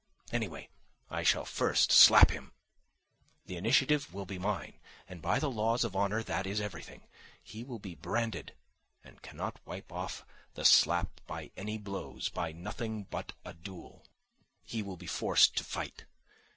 Anyway, I shall first slap him; the initiative will be mine; and by the laws of honour that is everything: he will be branded and cannot wipe off the slap by any blows, by nothing but a duel. He will be forced to fight.